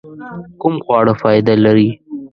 کوم خواړه فائده لري؟